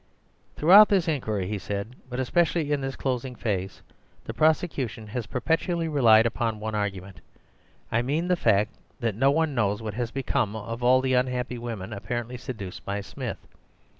"Throughout this inquiry," he said, "but especially in this its closing phase, the prosecution has perpetually relied upon one argument; I mean the fact that no one knows what has become of all the unhappy women apparently seduced by Smith.